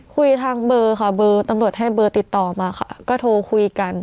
คุยทางเบอร์ค่ะเบอร์ตำรวจให้เบอร์ติดต่อมาค่ะก็โทรคุยกัน